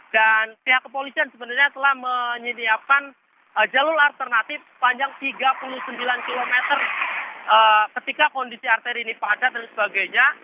dan pihak kepolisian sebenarnya telah menyiapkan jalur alternatif panjang tiga puluh sembilan km ketika kondisi arteri ini padat dan sebagainya